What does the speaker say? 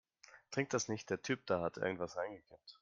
Trink das nicht, der Typ da hat irgendetwas reingekippt.